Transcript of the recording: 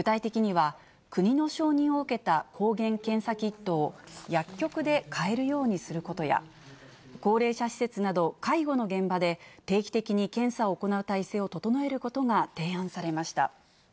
具体的には、国の承認を受けた抗原検査キットを薬局で買えるようにすることや、高齢者施設など、介護の現場で、定期的に検査を行う体制を整えることが提案されました。